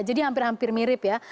jadi hampir hampir mirip ya